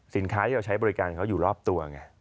ที่เราใช้บริการเขาอยู่รอบตัวไง